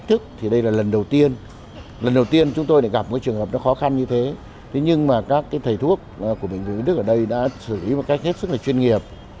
trường hợp khó khăn như thế nhưng các thầy thuốc của bệnh viện việt đức ở đây đã xử lý một cách rất chuyên nghiệp